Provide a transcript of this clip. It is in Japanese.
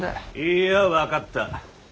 いや分かった。